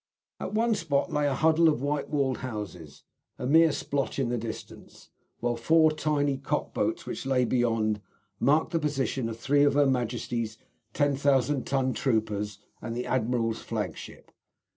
At one spot lay a huddle of white walled houses, a mere splotch in the distance; while four tiny cock boats, which lay beyond, marked the position of three of Her Majesty's 10,000 ton troopers and the admiral's flagship.